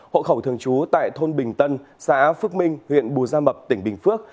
hộ khẩu thường trú tại thôn bình tân xã phước minh huyện bù gia mập tỉnh bình phước